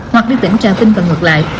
hoặc đến tỉnh trà vinh và ngược lại